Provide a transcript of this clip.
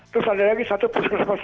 terus ada lagi satu perusahaan